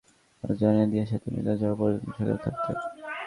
তাদের জানিয়ে দিয়েছি তুমি না যাওয়া পর্যন্ত সেখানে থাকতে।